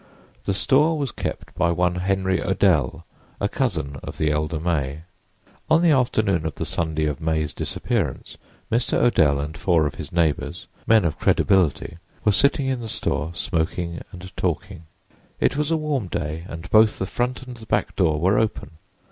The store was kept by one Henry Odell, a cousin of the elder May. On the afternoon of the Sunday of May's disappearance Mr. Odell and four of his neighbors, men of credibility, were sitting in the store smoking and talking. It was a warm day; and both the front and the back door were open.